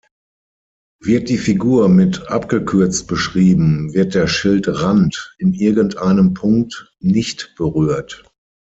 Wird die Figur mit abgekürzt beschrieben, wird der Schildrand in irgendeinem Punkt nicht berührt.